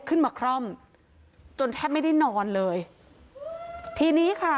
คร่อมจนแทบไม่ได้นอนเลยทีนี้ค่ะ